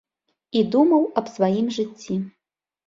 І думаў аб сваім жыцці.